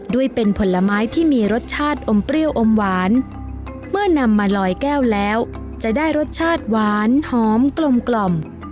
ด้วยเป็นผลไม้ที่มีรสชาติอมเปรี้ยวอมหวานเมื่อนำมาลอยแก้วแล้วจะได้รสชาติหวานหอมกลมกล่อม